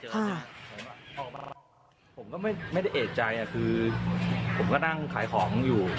ผมก็ไม่ได้เอกใจอ่ะคือผมก็นั่งขายของอยู่